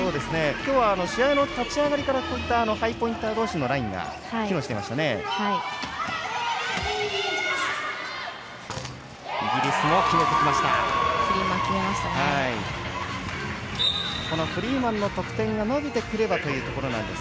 今日は試合の立ち上がりからハイポインター同士のラインが機能しています。